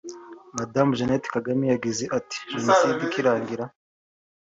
Madamu Jeannette Kagame yagize ati “Jenoside ikirangira